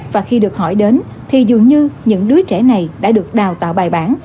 và khi được hỏi đến thì dường như những đứa trẻ này đã được đào tạo bài bản